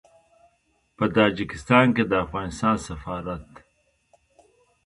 په تاجکستان کې د افغانستان سفارت